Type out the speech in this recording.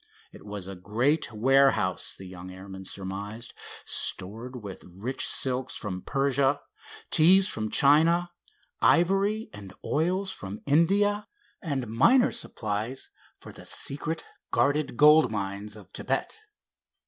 It was a great warehouse, the young airman surmised, stored with rich silks from Persia, teas from China, ivory and oils from India, and miner's supplies for the secret, guarded gold mines of Thibet.